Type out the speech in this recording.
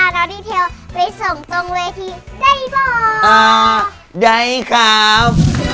เดี๋ยว